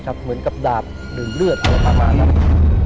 เหมือนกับดาบหนึ่งเลือดอะไรประมาณนั้น